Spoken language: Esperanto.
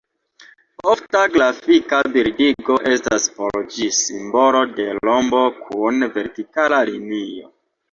Ofta grafika bildigo estas por ĝi simbolo de rombo kun vertikala linio.